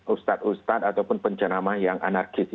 ustad ustad ataupun penceramah yang anak anaknya